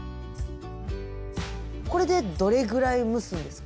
これでどれくらい蒸すんですか？